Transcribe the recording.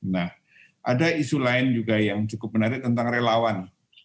nah ada isu lain juga yang cukup menarik tentang relawan